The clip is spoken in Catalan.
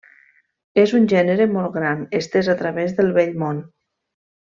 És un gènere molt gran, estès a través del Vell Món.